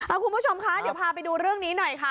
คุณผู้ชมคะเดี๋ยวพาไปดูเรื่องนี้หน่อยค่ะ